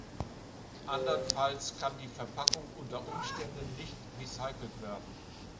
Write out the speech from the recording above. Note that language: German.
Andernfalls kann die Verpackung unter Umständen nicht recycelt werden.